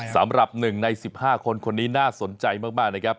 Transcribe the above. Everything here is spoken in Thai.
สำหรับ๑ใน๑๕คนคนนี้น่าสนใจมากนะครับ